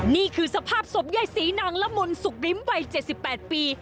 นี่คือสภาพสบใยสีนางลมงสุกริมวัย๗๘ปี